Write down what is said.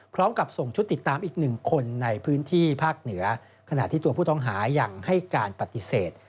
พร้อมกับส่งชุดติดตามอีกหนึ่งคนในพื้นที่ภาคเหนือขณะที่ตัวผู้ต้องหายังให้การปฏิเสธ